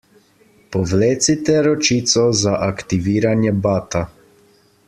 Povlecite ročico za aktiviranje bata.